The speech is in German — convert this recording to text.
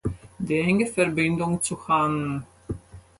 Die enge Verbindung zu Hann.